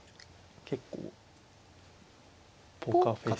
結構ポーカーフェース。